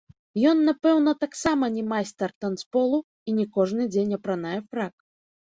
Ён, напэўна, таксама не майстар танцполу і не кожны дзень апранае фрак.